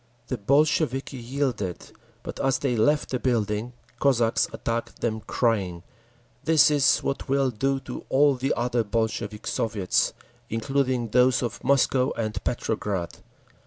The Bolsheviki yielded, but as they left the building Cossacks attacked them, crying, "This is what we'll do to all the other Bolshevik Soviets, including those of Moscow and Petrograd!"